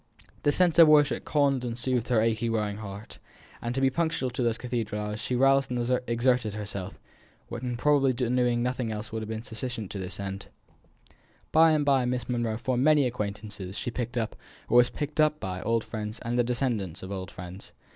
The sense of worship calmed and soothed her aching weary heart, and to be punctual to the cathedral hours she roused and exerted herself, when probably nothing else would have been sufficient to this end. By and by Miss Monro formed many acquaintances; she picked up, or was picked up by, old friends, and the descendants of old friends.